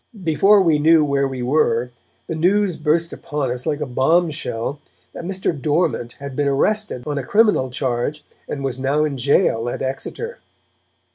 Before we knew where we were, the news burst upon us, like a bomb shell, that Mr. Dormant had been arrested on a criminal charge and was now in jail at Exeter.